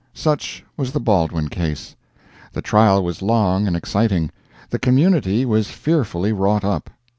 Such was the Baldwin case. The trial was long and exciting; the community was fearfully wrought up.